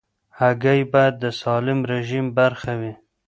هګۍ باید د سالم رژیم برخه وي.